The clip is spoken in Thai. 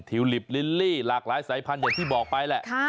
ลิปลิลลี่หลากหลายสายพันธุอย่างที่บอกไปแหละ